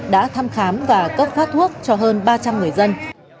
đã thăm khám và cấp phát thuốc cho hơn ba trăm linh người dân